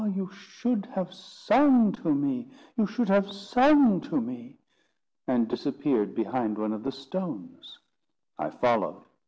you should have sung to me; you should have sung to me!" and disappeared behind one of the stones. I followed.